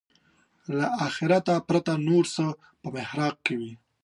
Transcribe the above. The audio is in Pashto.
له آخرته پرته نور څه په محراق کې وي.